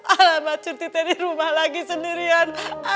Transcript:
alamat suritita di rumah lagi sendirian